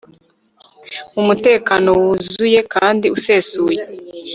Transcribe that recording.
Mu mutekano wuzuye kandi usesuye